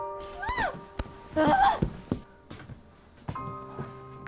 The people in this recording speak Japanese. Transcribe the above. ああ。